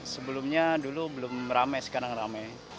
sebelumnya dulu belum ramai sekarang ramai